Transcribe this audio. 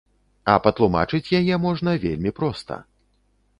А патлумачыць яе можна вельмі проста.